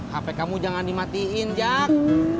hp kamu jangan dimatiin jak